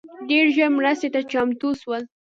ډېر ژر مرستي ته چمتو سول